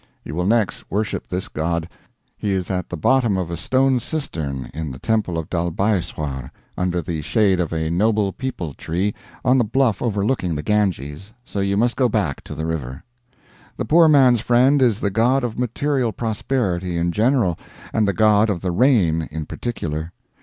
You will next worship this god. He is at the bottom of a stone cistern in the temple of Dalbhyeswar, under the shade of a noble peepul tree on the bluff overlooking the Ganges, so you must go back to the river. The Poor Man's Friend is the god of material prosperity in general, and the god of the rain in particular.